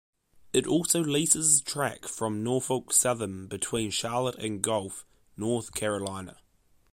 It also leases track from Norfolk Southern between Charlotte and Gulf, North Carolina.